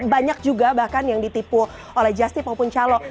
banyak juga bahkan yang ditipu oleh justip maupun calo